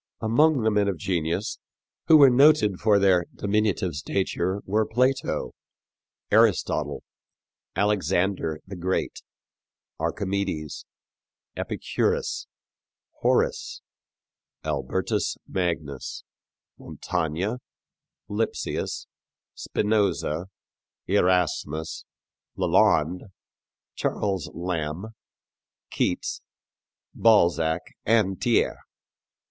Among the men of genius who were noted for their diminutive stature were Plato, Aristotle, Alexander the Great, Archimedes, Epicurus, Horace, Albertus Magnus, Montaigne, Lipsius, Spinoza, Erasmus, Lalande, Charles Lamb, Keats, Balzac and Thiers.